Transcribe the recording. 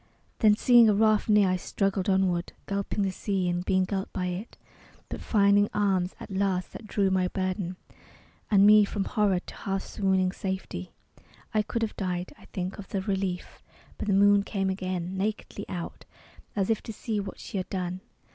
Then seeing a raft near, I struggled onward, Gulping the sea and being gulped by it, But finding arms at last that drew my burden And me from horror to half swooning safety. I could have died, I think, of the relief. But the moon came again, nakedly out, As if to see what she had done.